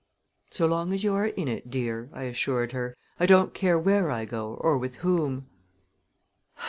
"So long as you are in it, dear," I assured her, "I don't care where I go or with whom."